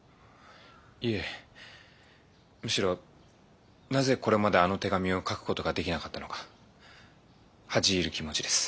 いえむしろなぜこれまであの手紙を書く事ができなかったのか恥じ入る気持ちです。